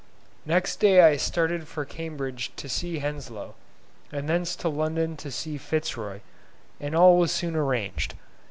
Next day I started for Cambridge to see Henslow, and thence to London to see Fitz Roy, and all was soon arranged.